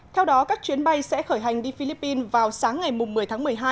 theo đó các chuyến bay sẽ khởi hành đi philippines vào sáng ngày một mươi tháng một mươi hai